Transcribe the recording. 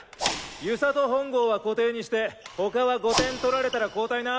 遊佐と本郷は固定にして他は５点取られたら交代な。